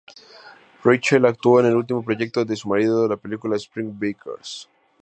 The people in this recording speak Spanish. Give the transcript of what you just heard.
Rachel actuó en el último proyecto de su marido, la película "Spring Breakers".